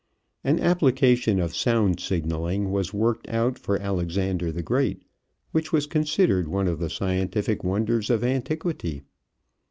An application of sound signaling was worked out for Alexander the Great, which was considered one of the scientific wonders of antiquity.